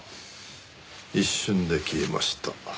一瞬で消えました。